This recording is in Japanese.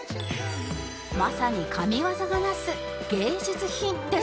まさに神業がなす芸術品ですが